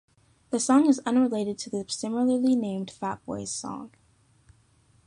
The song is unrelated to the similarly named Fat Boys' song.